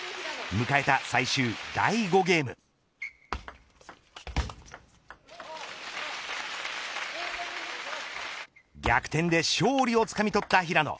迎えた最終第５ゲーム逆転で勝利をつかみとった平野。